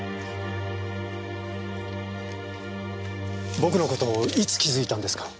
僕の事いつ気づいたんですか？